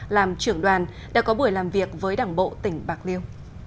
làm trưởng đoàn đã có buổi làm việc với đảng bộ tỉnh bạc liêu